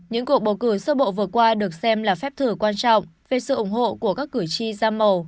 những cuộc bầu cử sơ bộ vừa qua được xem là phép thử quan trọng về sự ủng hộ của các cử tri da màu